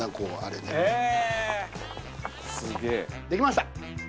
できました！